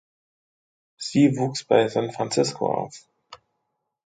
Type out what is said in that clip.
Sie wuchs bei San Francisco auf.